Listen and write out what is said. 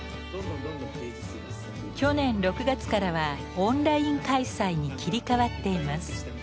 去年６月からはオンライン開催に切り替わっています。